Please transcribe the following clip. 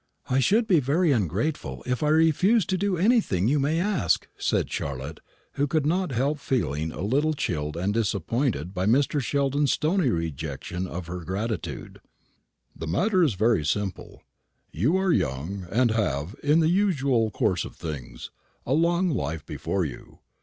"I should be very ungrateful if I refused to do anything you may ask," said Charlotte, who could not help feeling a little chilled and disappointed by Mr. Sheldon's stony rejection of her gratitude. "The matter is very simple. You are young, and have, in the usual course of things, a long life before you.